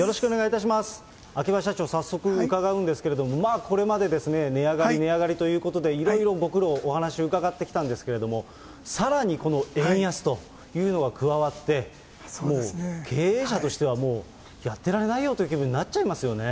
秋葉社長、早速伺うんですけれども、まあこれまで値上がり値上がりということで、いろいろご苦労、お話を伺ってきたんですけれども、さらにこの円安というのが加わって、もう経営者としては、もうやってられないよという気分になっちゃいますよね。